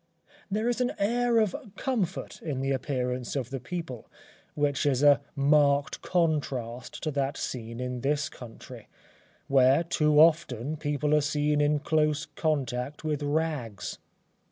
There is an air of comfort in the appearance of the people which is a marked contrast to that seen in this country, where, too often, people are seen in close contact with rags.